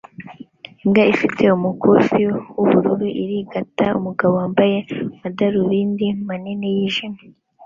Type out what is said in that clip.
Imbwa ifite umukufi wubururu irigata umugabo wambaye amadarubindi manini yijimye